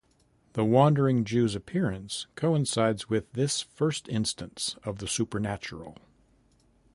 The Wandering Jew's appearance coincides with this first instance of the supernatural.